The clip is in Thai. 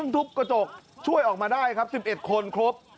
ทุบกระจกช่วยออกมาได้ครับ๑๑คนครบ